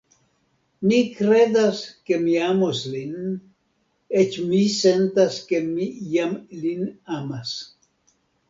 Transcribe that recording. Mi kredas, ke mi amos lin; eĉ mi sentas, ke mi jam lin amas.